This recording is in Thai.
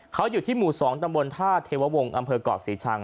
เขาอยู่ที่หมู่๒ตำบลท่าเทววงกศรีชัง